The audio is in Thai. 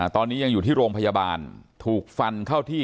ตอนนี้ยังอยู่ที่โรงพยาบาลถูกฟันเข้าที่